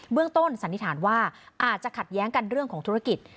ต้นสันนิษฐานว่าอาจจะขัดแย้งกันเรื่องของธุรกิจ